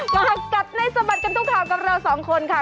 กรับกัดในสมัติกันทุกครับกับเราสองคนค่ะ